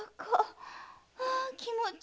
ああ気持ちいい！